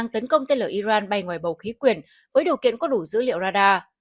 tấn công tên lửa iran bay ngoài bầu khí quyền với điều kiện có đủ dữ liệu radar